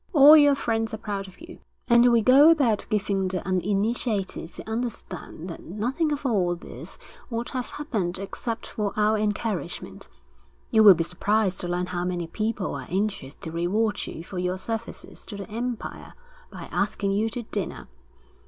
All your friends are proud of you, and we go about giving the uninitiated to understand that nothing of all this would have happened except for our encouragement. You will be surprised to learn how many people are anxious to reward you for your services to the empire by asking you to dinner.